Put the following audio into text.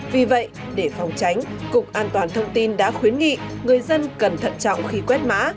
vì vậy để phòng tránh cục an toàn thông tin đã khuyến nghị người dân cần thận trọng khi quét mã